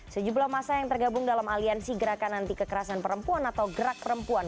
sejumlah masa yang tergabung dalam aliansi gerakan anti kekerasan perempuan atau gerak perempuan